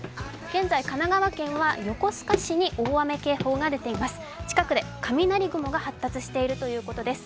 現在神奈川県は、横須賀市に大雨警報が出ています。